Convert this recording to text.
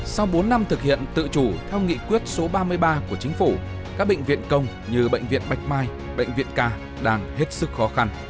sau bốn năm thực hiện tự chủ theo nghị quyết số ba mươi ba của chính phủ các bệnh viện công như bệnh viện bạch mai bệnh viện ca đang hết sức khó khăn